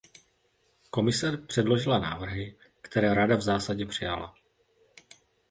Komise předložila návrhy, které Rada v zásadě přijala.